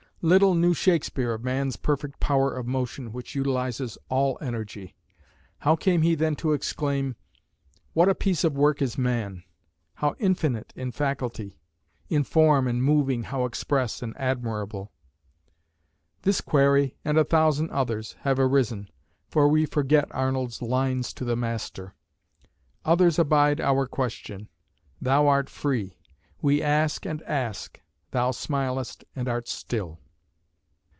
Little knew Shakespeare of man's perfect power of motion which utilises all energy! How came he then to exclaim "What a piece of work is man; how infinite in faculty; in form and moving how express and admirable"? This query, and a thousand others, have arisen; for we forget Arnold's lines to the Master: "Others abide our question. Thou art free. We ask and ask thou smilest and art still."